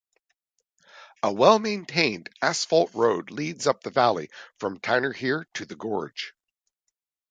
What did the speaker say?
A well-maintained asphalt road leads up the valley from Tinerhir to the gorge.